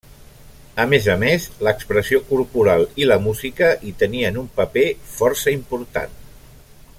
A més a més, l'expressió corporal i la música hi tenien un paper força important.